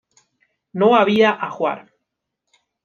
No había ajuar.